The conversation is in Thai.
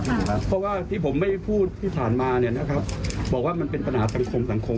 เพราะว่าที่ผมไม่พูดที่ผ่านมาเนี่ยนะครับบอกว่ามันเป็นปัญหาสังคมสังคม